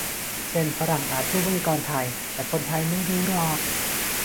เช่นฝรั่งอาจรู้ไวยากรณ์ไทย แต่คนไทยไม่รู้หรอก